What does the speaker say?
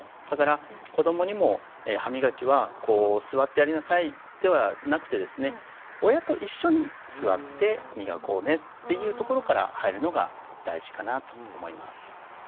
だから子どもにも「歯磨きは座ってやりなさい」ではなくてですね「親と一緒に座って磨こうね」っていうところから入るのが大事かなと思います。